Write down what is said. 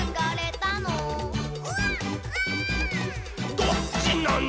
どっちなの！